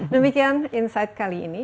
demikian insight kali ini